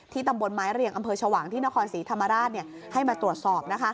ตำบลไม้เรียงอำเภอชวางที่นครศรีธรรมราชให้มาตรวจสอบ